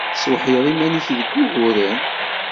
Tesweḥled iman-nnek deg wuguren?